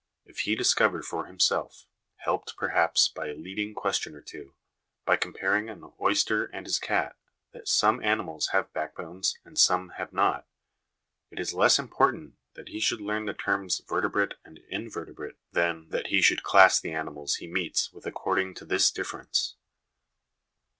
If he discover for himself (helped, perhaps, by a leading question or two), by comparing an oyster and his cat, that some animals have backbones and some have not, it is less important that he should learn the terms verte brate and invertebrate than that he should class the animals he meets with according to this difference.